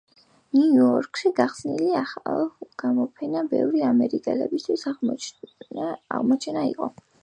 ნიუ-იორკში გახსნილი ახალი გამოფენა ბევრი ამერიკელისთვის აღმოჩენა იყო.